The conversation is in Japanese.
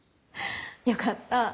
よかった。